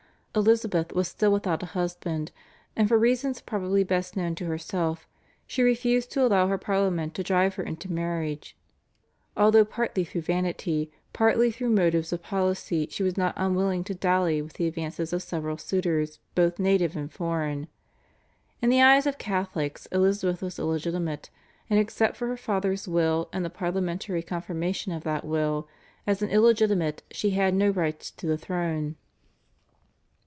Elizabeth was still without a husband, and for reasons probably best known to herself she refused to allow her Parliament to drive her into marriage, although partly through vanity, partly through motives of policy she was not unwilling to dally with the advances of several suitors both native and foreign. In the eyes of Catholics Elizabeth was illegitimate, and except for her father's will and the parliamentary confirmation of that will, as an illegitimate she had no right to the throne.